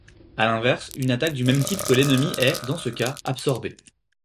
À l'inverse, une attaque du même type que l'ennemi est, dans ce cas, absorbée.